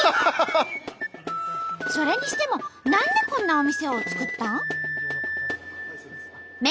それにしても何でこんなお店を作ったん？